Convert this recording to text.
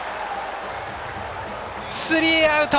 スリーアウト。